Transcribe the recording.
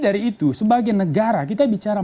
dari itu sebagai negara kita bicara